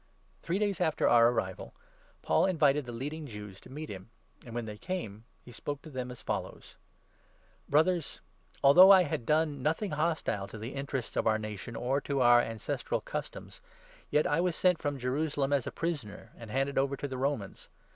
Paul Three days after our arrival, Paul invited the at Rom*, leading Jews to meet him ; and, when they came, he spoke to them as follows : "Brothers, although^! had done nothing hostile to the in terests of our nation or to our ancestral customs, yet I was sent from Jerusalem as a prisoner, and handed over to the Romans.